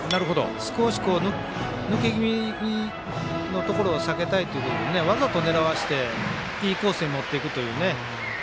少し抜け気味のところを避けたいというところでわざと狙わせてインコースに持っていくというね。